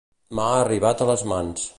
M'ha arribat a les mans.